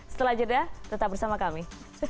setelah jeda tetap bersama kami